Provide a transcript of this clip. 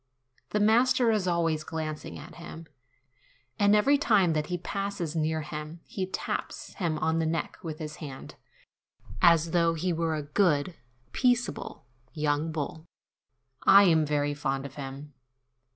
The master is always glancing at him, and every time that he passes near him he taps him on the neck with his hand, as though he were a good, peaceable young bull. I am very fond of him.